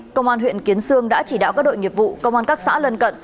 công an huyện kiến sương đã chỉ đạo các đội nghiệp vụ công an các xã lân cận